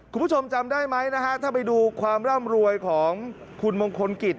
คุณผู้ชมจำได้ไหมนะฮะถ้าไปดูความร่ำรวยของคุณมงคลกิจ